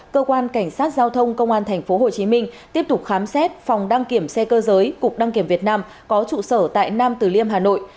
cơ quan cảnh sát giao thông công an tp hcm tiếp tục khám xét phòng đăng kiểm xe cơ giới cục đăng kiểm việt nam có trụ sở tại nam tử liêm hà nội